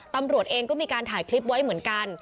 ตำรวจเองก็มีการถ่ายคลิปไว้เหมือนกัน